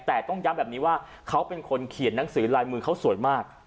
แต่ต้องย้ำแบบนี้ว่าเขาเป็นคนเขียนหนังสือลายมือเขาสวยมาก